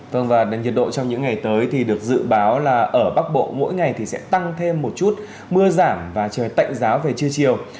vâng và nhiệt độ trong những ngày tới thì được dự báo là ở bắc bộ mỗi ngày thì sẽ tăng thêm một chút mưa giảm và trời tạnh giáo về trưa chiều